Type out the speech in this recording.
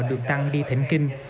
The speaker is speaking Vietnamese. được tăng đi thỉnh kinh